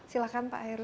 silahkan pak heru